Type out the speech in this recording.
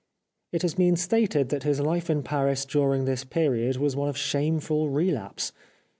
It has been stated that his Hfe in Paris during this period was one of shameful relapse.